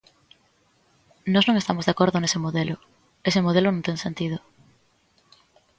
Nós non estamos de acordo nese modelo; ese modelo non ten sentido.